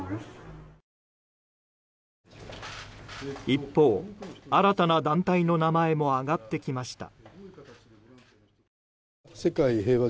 一方、新たな団体の名前も挙がってきました。